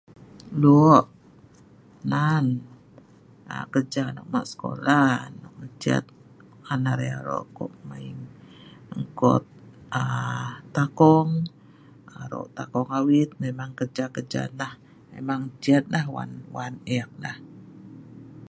lok' nan.. um kerja dong ma' skola ncet an arai aro' um ko' um takong aro' takong awit memang kerja kerja nah memang ncet lah wan wan eek lah